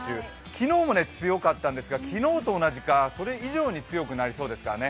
昨日も強かったんですが昨日と同じかそれ以上に強くなりそうですからね。